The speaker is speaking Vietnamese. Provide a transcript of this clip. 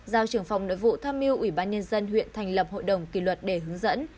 giao trưởng phòng nội vụ tham mưu ubnd huyện thành lập hội đồng kỳ luật để hướng dẫn